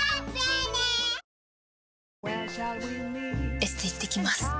エステ行ってきます。